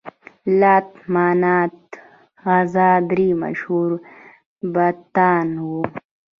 لات، منات، عزا درې مشهور بتان وو.